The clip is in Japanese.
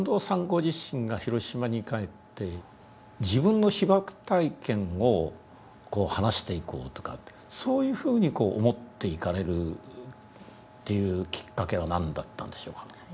ご自身が広島に帰って自分の被爆体験を話していこうとかそういうふうに思っていかれるというきっかけは何だったんでしょうか？